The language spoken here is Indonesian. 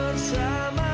aku sangat rancang